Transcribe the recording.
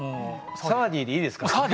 サワディーでいいです。